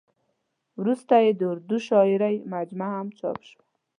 ورسته یې د اردو شاعرۍ مجموعه هم چاپ شوه.